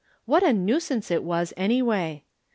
What a nuisance it was, anyway